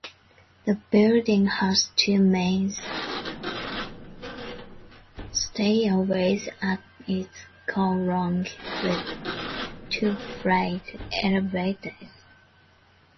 The building has two main stairways at its core along with two freight elevators.